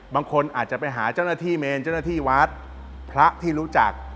บางคนอาจจะไปหาเจ้าหน้าที่เมนเจ้าหน้าที่วัดพระที่รู้จัก